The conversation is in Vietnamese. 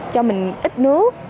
cho mình ít nước